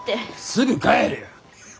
すぐ帰るよ。